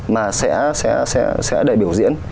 mà sẽ đẩy biểu diễn